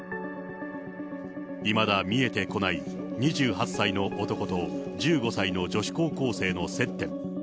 いまだ見えてこない２８歳の男と１５歳の女子高校生の接点。